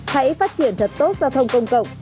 hãy phát triển thật tốt giao thông công cộng